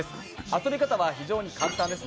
遊び方は非常に簡単です。